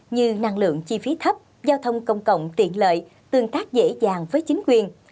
như năng lượng chi phí thấp giao thông công cộng tiện lợi tương tác dễ dàng với chính quyền